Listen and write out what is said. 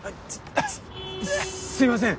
すいません。